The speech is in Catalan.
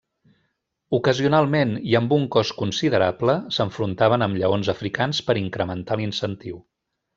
Ocasionalment, i amb un cost considerable, s'enfrontaven amb lleons africans per incrementar l'incentiu.